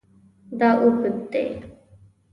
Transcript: دا اوږد دی